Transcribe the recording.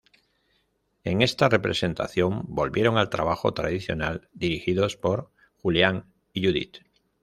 En esta representación volvieron al trabajo tradicional, dirigidos por Julian y Judith.